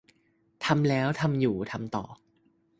ทำแล้ว ทำอยู่ ทำต่อ